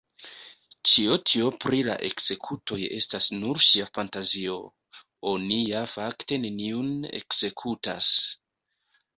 Ĉio tio pri la ekzekutoj estas nur ŝia fantazio; oni ja fakte neniun ekzekutas!